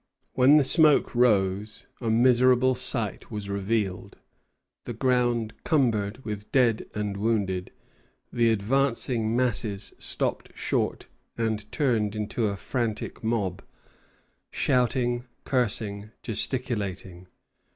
When the smoke rose, a miserable sight was revealed: the ground cumbered with dead and wounded, the advancing masses stopped short and turned into a frantic mob, shouting, cursing, gesticulating.